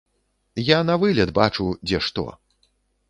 Я навылет бачу, дзе што.